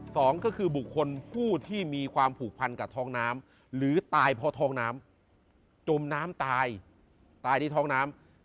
สองก็คือบุคคลผู้ที่มีความผูกพันกับท้องน้ำหรือตายพอท้องน้ำจมน้ำตายตายที่ท้องน้ำ